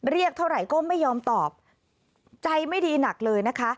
เรียกเท่าไหร่ก็ไม่ยอมตอบใจไม่ดีหนักเลยนะคะ